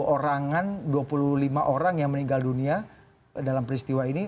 dua puluh orang an dua puluh lima orang yang meninggal dunia dalam peristiwa ini